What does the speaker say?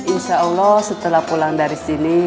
insya allah setelah pulang dari sini